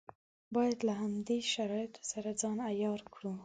باید له همدې شرایطو سره ځان عیار کړو.